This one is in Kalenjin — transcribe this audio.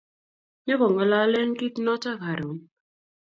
Nyoko ngololen kit notok karon